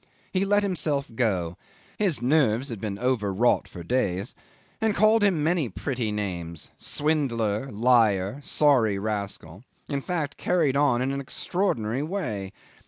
He let himself go his nerves had been over wrought for days and called him many pretty names, swindler, liar, sorry rascal: in fact, carried on in an extraordinary way.